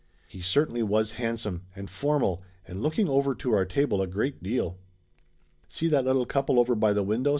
He certainly was handsome, and formal, and looking over to our table a great deal. "See that little couple over by the window?"